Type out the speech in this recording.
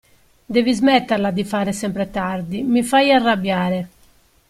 Devi smetterla di fare sempre tardi, mi fai arrabbiare.